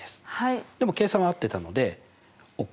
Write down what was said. でも計算は合ってたのでＯＫです。